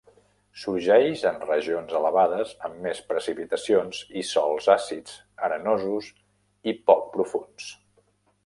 Sorgeix en regions elevades amb més precipitacions i sòls àcids, arenosos i poc profunds.